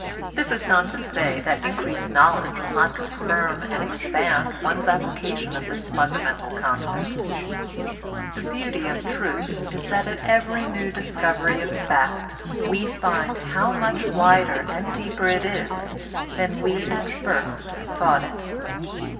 This is not to say that increased knowledge will not confirm and expand one's application of this fundamental con cept; (the beauty of truth is that at every new dis covery of fact we find how much wider and deeper it is than we at first thought it).